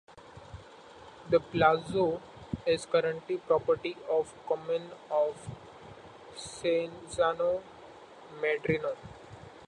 The palazzo is currently property of the comune of Cesano Maderno.